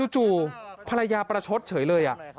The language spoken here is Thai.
จู่ภรรยาประชดเฉยเลย